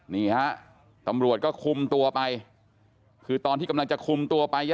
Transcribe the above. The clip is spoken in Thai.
นี่ฮะตำรวจก็คุมตัวไปคือตอนที่กำลังจะคุมตัวไป